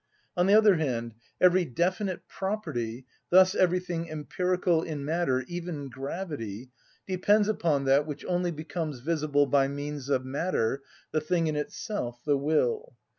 On the other hand, every definite property, thus everything empirical in matter, even gravity, depends upon that which only becomes visible by means of matter, the thing in itself, the will.